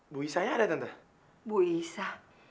bui saya ada tante bu isa